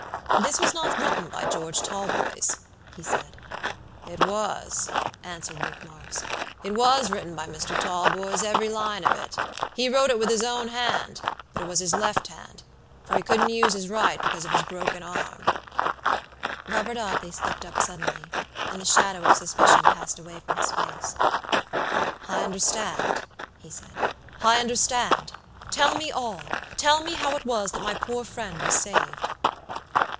"This was not written by George Talboys," he said. "It was," answered Luke Marks, "it was written by Mr. Talboys, every line of it. He wrote it with his own hand; but it was his left hand, for he couldn't use his right because of his broken arm." Robert Audley looked up suddenly, and the shadow of suspicion passed away from his face. "I understand," he said, "I understand. Tell me all; tell me how it was that my poor friend was saved."